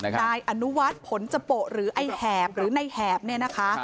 ใจอนุวัสผลจปหรือใบแหบหรือนายแหบเนี่ยนะคะ